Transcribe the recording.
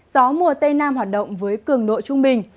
gió mùa tây nam hoạt động với cường độ trung bình